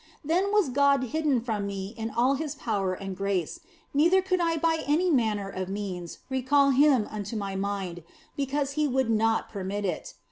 Then was God hidden from me in all His power and grace, neither could I by any manner of means recall Him unto my mind, because He would not permit it.